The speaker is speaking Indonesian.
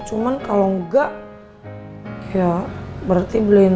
cuman kalo gak ya berarti beliin